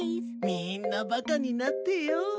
みんなバカになってよ。